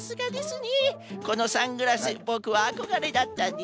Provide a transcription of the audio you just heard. このサングラスボクはあこがれだったんですよ。